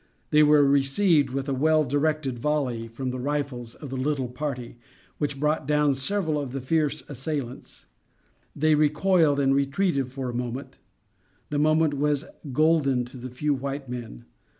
They were received with a well directed volley from the rifles of the little party, which brought down several of the fierce assailants. They recoiled and retreated for a moment. The moment was golden to the few white men.